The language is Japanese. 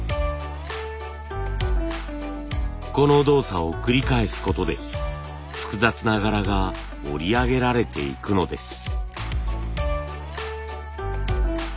この動作を繰り返すことで複雑な柄が織り上げられていくのです。